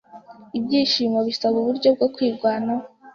Ibyishimo bisaba uburyo bwo kwirwanaho ...